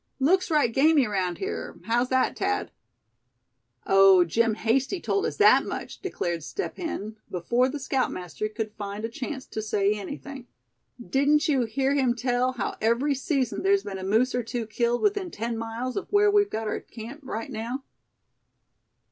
"Looks right gamey around here; how's that, Thad?" "Oh! Jim Hasty told us that much!" declared Step Hen, before the scoutmaster could find a chance to say anything. "Didn't you hear him tell how every season there's been a moose or two killed within ten miles of where we've got our camp right now.